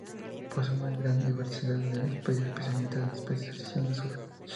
Posee una gran diversidad de especies, especialmente en la exposición sur.